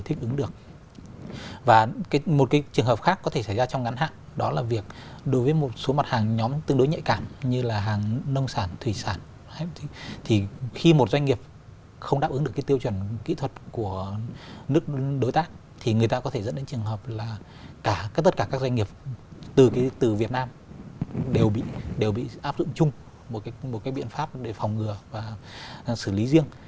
trường hợp là tất cả các doanh nghiệp từ việt nam đều bị áp dụng chung một cái biện pháp để phòng ngừa và xử lý riêng